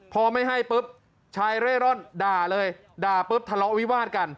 พอไม่ให้ปุ๊บชายเร่ร่อนด่าเลยด่าปุ๊บทะเลาะวิวาดกัน